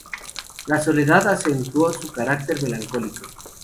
Su soledad acentuó su carácter melancólico.